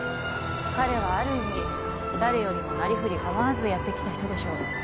彼はある意味誰よりもなりふり構わずやってきた人でしょう